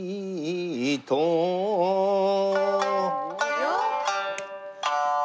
よっ！